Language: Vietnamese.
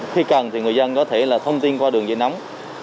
khi cần thì người dân có thể là thông tin qua đường dây nóng